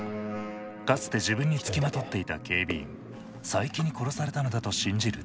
かつて自分につきまとっていた警備員佐伯に殺されたのだと信じる徹生。